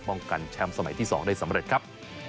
ป้องกันแชมป์สมัยที่๒ได้สำเร็จครับ